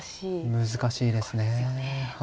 難しいですね。